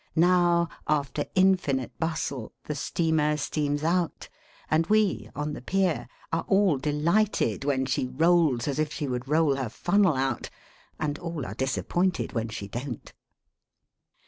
Now, after infinite bustle, the steamer steams out, and we (on the Pier) are all delighted when she rolls as if she would roll her funnel out, and all are disappointed when she don't.